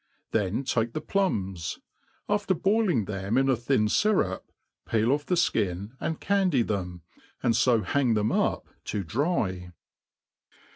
Then take the ploms, after boiling them in a thin fyrup, peel off the flcin and candy them, and fo hang theoi up to dry.